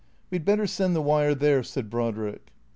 " We 'd better send the wire there," said Brodrick.